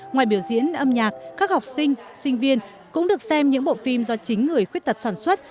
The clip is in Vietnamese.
ngoài biểu diễn âm nhạc các học sinh sinh viên cũng được xem những bộ phim do chính người khuyết tật sản xuất